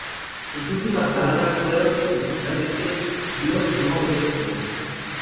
Sus últimas palabras fueron presuntamente ""Dios, no me dejes morir.